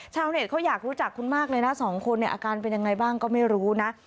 ชาวเน็ตเขาอยากรู้จักคุณมากเลยนะสองคนเนี่ยอาการเป็นยังไงบ้างก็ไม่รู้นะ